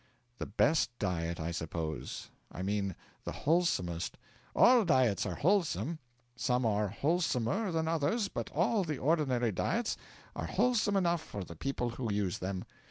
'The best diet, I suppose I mean the wholesomest ' 'All diets are wholesome. Some are wholesomer than others, but all the ordinary diets are wholesome enough for the people who use them.